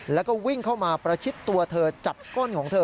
แล้วก็วิ่งเข้ามาประชิดตัวเธอจับก้นของเธอ